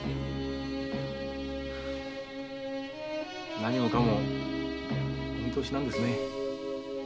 何もかもお見通しなんですね。